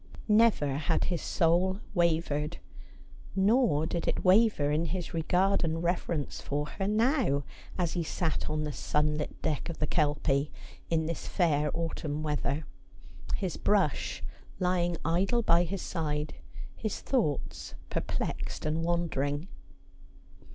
Never had his soul wavered. Nor did it waver in his regard and reverence for her now, as he sat on the sunlit deck of the Kelpie in this fair autumn weather, his brush lying idle by his side, his thoughts perplexed and wandering.